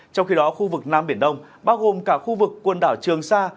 trong khi đó khu vực nam biển đông bao gồm cả khu vực quần đảo trường sa